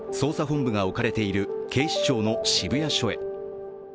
部が置かれている警視庁の渋谷署へ。